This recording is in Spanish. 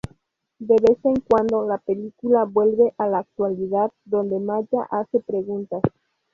De vez en cuando la película vuelve a la actualidad, donde Maya hace preguntas.